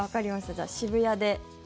じゃあ渋谷で。